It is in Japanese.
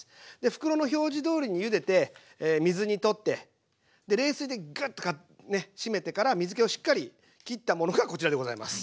袋の表示どおりにゆでて水にとって冷水でガッと締めてから水けをしっかりきったものがこちらでございます。